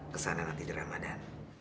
kesana nanti di ramadhan